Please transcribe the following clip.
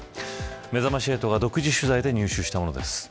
めざまし８が独自取材で入手したものです。